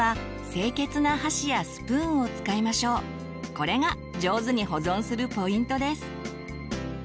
これが上手に保存するポイントです。